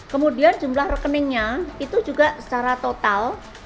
kemudian jumlah rekeningnya itu juga secara total